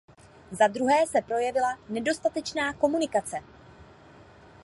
Zadruhé se projevila nedostatečná komunikace.